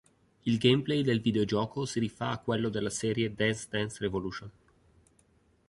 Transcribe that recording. Il gameplay del videogioco si rifà a quello della serie "Dance Dance Revolution".